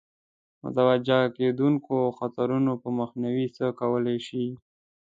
متوجه کېدونکو خطرونو په مخنیوي څه کولای شي.